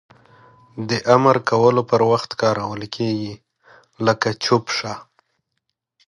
د امر کولو پر وخت کارول کیږي لکه چوپ شه!